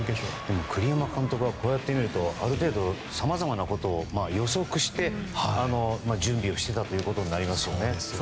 栗山監督はこうやって見るとある程度さまざまなことを予測して準備をしていたことになりますね。